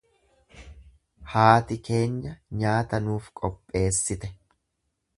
Haati keenya nyaata nuuf qopheessite.